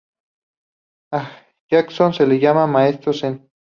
A Jackson se le llama el "Maestro Zen".